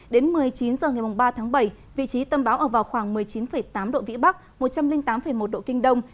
đến một mươi chín h ngày ba tháng bảy vị trí tâm bão ở vào khoảng một mươi chín tám độ vĩ bắc một trăm linh tám một độ kinh đông